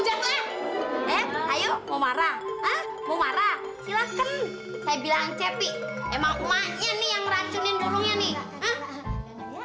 hai hai mau marah marah silakan saya bilang cepi emang umatnya nih yang racunin dulunya nih